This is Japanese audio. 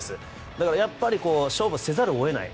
だからやっぱり勝負せざるを得ない。